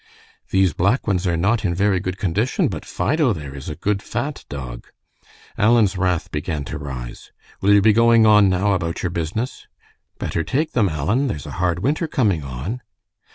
"These black ones are not in very good condition, but Fido there is a good, fat dog." Alan's wrath began to rise. "Will you be going on, now, about your business?" "Better take them, Alan, there's a hard winter coming on."